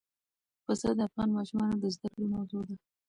پسه د افغان ماشومانو د زده کړې موضوع ده.